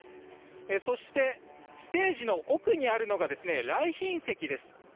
そして、ステージの奥にあるのが来賓席です。